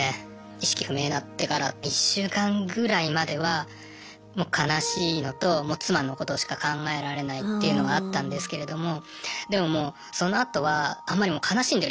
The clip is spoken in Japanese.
意識不明になってから１週間ぐらいまではもう悲しいのともう妻のことしか考えられないっていうのがあったんですけれどもでももうそのあとはあんまり悲しんでる